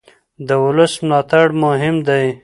د ولس ملاتړ مهم دی